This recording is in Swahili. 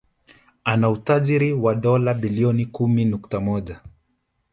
Ana utajiri wa dola Bilioni kumi nukta moja